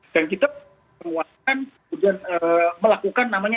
dan kita menguatkan melakukan namanya